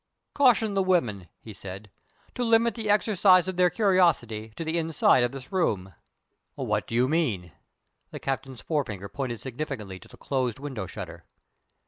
"Caution the women," he said, "to limit the exercise of their curiosity to the inside of this room." "What do you mean?" The captain's forefinger pointed significantly to the closed window shutter.